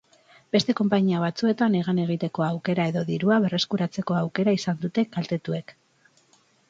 Beste konpainia batzuetan hegan egiteko aukera edo dirua berreskuratzeko aukera izan dute kaltetuek.